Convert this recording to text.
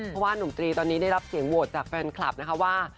เพราะว่านุ่มตรีตอนนี้ได้รับเสียงโหวตจากแฟนคลับนะคะว่า